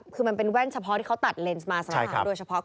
คือมันเป็นแว่นเฉพาะที่เขาตัดเลนส์มาสำหรับเขาโดยเฉพาะ